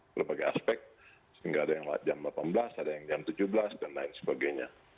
berbagai aspek sehingga ada yang lewat jam delapan belas ada yang jam tujuh belas dan lain sebagainya